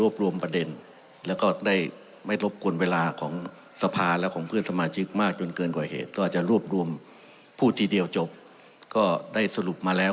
กว่าเหตุก็อาจจะรวบรวมพูดทีเดียวจบก็ได้สรุปมาแล้ว